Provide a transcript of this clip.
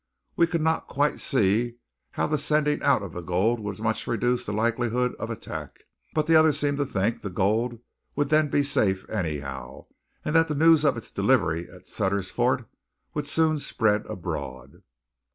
We could not quite see how the sending out of the gold would much reduce the likelihood of attack; but the others seemed to think the gold would then be safe anyhow, and that the news of its delivery at Sutter's Fort would soon spread abroad.